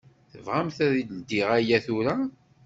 Tebɣamt ad ldiɣ aya tura?